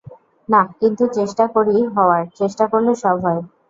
নাহ, কিন্তু চেষ্টা করি হওয়ার, চেষ্টা করলে সব হয়।